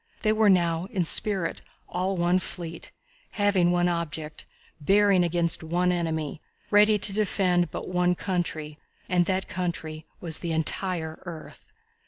They were now, in spirit, all one fleet, having one object, bearing against one enemy, ready to defend but one country, and that country was the entire earth.